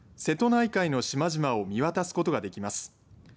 瀬戸内海の島々を見渡すことができます。